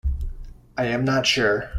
I am not sure.